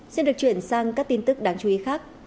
xin được chuyển sang các tin tức đáng chú ý khác